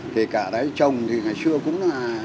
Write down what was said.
thì cả đấy chồng thì ngày xưa cũng là